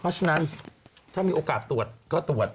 เพราะฉะนั้นถ้ามีโอกาสตรวจก็ตรวจ